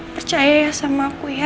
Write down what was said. percaya ya sama aku ya